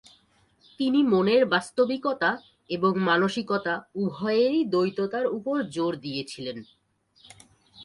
তিনি মনের বাস্তবিকতা এবং মানসিকতা - উভয়েরই দ্বৈততার উপর জোর দিয়েছিলেন।